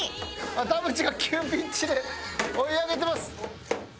田渕が急ピッチで追い上げてます。